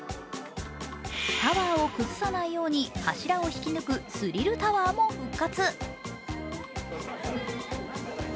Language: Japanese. タワーを崩さないように柱を引き抜く「スリルタワー」も復活。